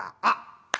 あっ！